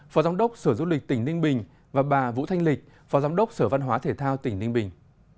phó giám đốc sở du lịch tỉnh ninh bình và bà vũ thanh lịch phó giám đốc sở văn hóa thể thao tỉnh ninh bình